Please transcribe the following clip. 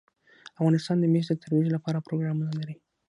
افغانستان د مس د ترویج لپاره پروګرامونه لري.